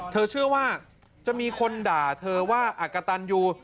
เธอเชื่อว่าจะมีคนด่าเธอว่าอักกะตันยู